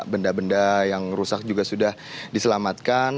benda benda yang rusak juga sudah diselamatkan